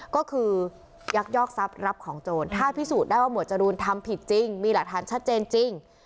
ก็คือยักยอกทรัพย์รับของโจรถ้าพิสูจน์ได้ว่าหมวดจรูนทำผิดจริงมีหลักฐานชัดเจนจริง